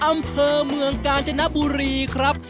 อำเภอเมืองกาญจนบุรีครับ